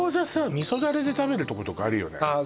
みそだれで食べるとことかあるよね